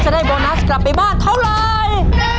ได้โบนัสกลับไปบ้านเท่าไร